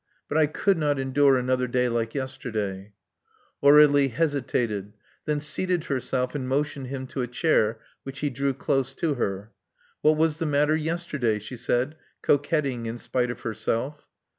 But I could not endure another day like yesterday." Aur^lie hesitated; then seated herself and motioned him to a chair, which he drew close to her. What was the matter yesterday? she said, coquetting in spite of herself.